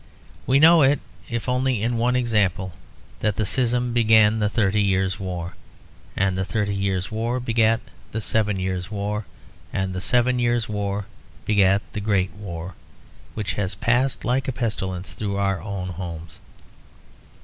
We know it if only in the one example, that the schism begat the Thirty Years' War, and the Thirty Years' War begat the Seven Years' War, and the Seven Years' War begat the Great War, which has passed like a pestilence through our own homes.